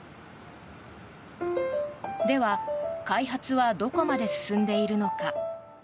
では、開発はどこまで進んでいるのか。